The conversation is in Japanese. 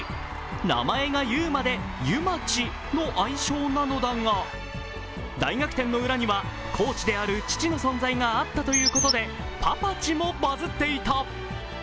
名前か優真でゆまちの愛称なのだが、大逆転の裏にはコーチである父の存在があったということで、「パパち」もバズっていた。